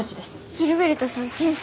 ギルベルトさん天才。